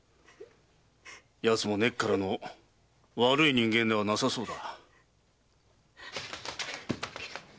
奴も根っからの悪い人間ではなさそうだ。